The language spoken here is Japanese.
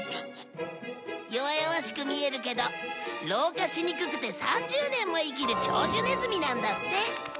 弱々しく見えるけど老化しにくくて３０年も生きる長寿ネズミなんだって。